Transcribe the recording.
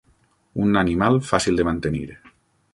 Un animal fàcil de mantenir.